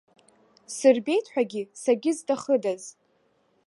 Сырбеит ҳәагьы сагьызҭахыдаз!